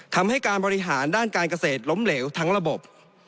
ทำให้การบริหารด้านการเกษตรล้มเหลวทั้งระบบ